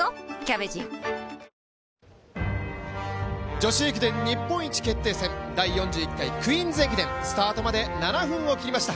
女子駅伝日本一決定戦、第４１回クイーンズ駅伝、スタートまで７分を切りました。